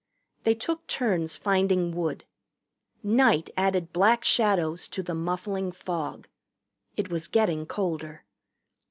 They took turns finding wood. Night added black shadows to the muffling fog. It was getting colder.